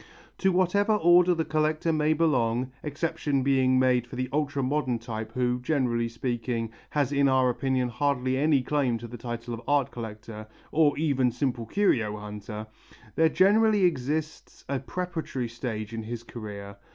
To whatever order a collector may belong exception being made for the ultra modern type who, generally speaking, has in our opinion hardly any claim to the title of art collector or even simple curio hunter there generally exists a preparatory stage in his career.